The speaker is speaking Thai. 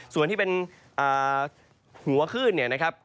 ส่วนที่เป็นหัวคลื่นเนี่ยนะครับ